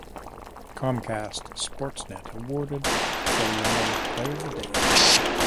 Comcast Sportsnet awarded Soriano with "Play of the Day.".